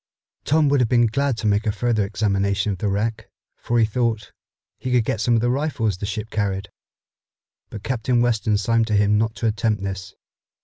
Tom would have been glad to make a further examination of the wreck, for he thought he could get some of the rifles the ship carried, but Captain Weston signed to him not to attempt this.